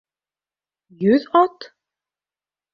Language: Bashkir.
Йөҙ ат?